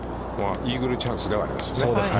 イーグルチャンスではありますよね。